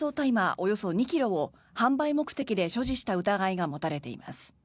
およそ２ｋｇを販売目的で所持した疑いが持たれています。